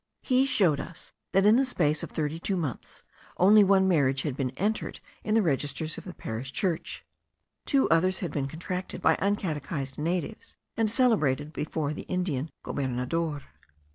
He showed us, that in the space of thirty two months only one marriage had been entered in the registers of the parish church. Two others had been contracted by uncatechised natives, and celebrated before the Indian Gobernador.